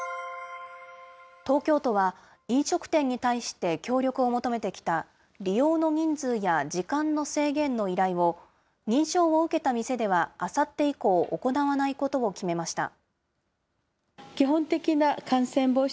東京都は、飲食店に対して協力を求めてきた利用の人数や時間の制限の依頼を認証を受けた店ではあさって以降、行わないことを決めました。